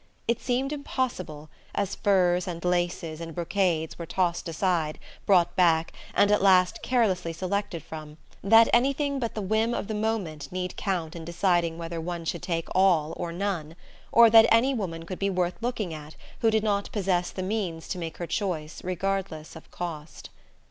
It seemed impossible, as furs and laces and brocades were tossed aside, brought back, and at last carelessly selected from, that anything but the whim of the moment need count in deciding whether one should take all or none, or that any woman could be worth looking at who did not possess the means to make her choice regardless of cost.